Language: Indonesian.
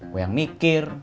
gue yang mikir